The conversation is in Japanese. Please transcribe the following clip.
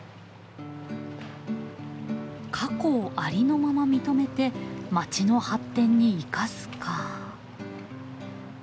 「過去をありのまま認めて街の発展に生かす」か。